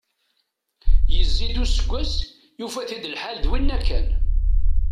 Yezzi-d useggas, yufa-t-id lḥal d winna kan.